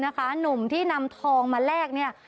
หนุ่มที่นำทองมาแลกเนี่ย